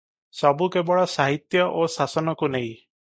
ସବୁ କେବଳ ସାହିତ୍ୟ ଓ ଶାସନକୁ ନେଇ ।